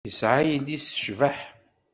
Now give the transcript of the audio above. Yesɛa yelli-s tecbeḥ.